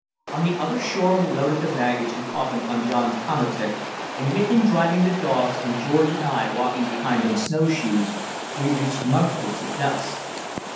On the other shore we loaded the baggage and coffin on John's komatik, and with him driving the dogs and George and I walking behind on snowshoes, we reached Mugford's at dusk.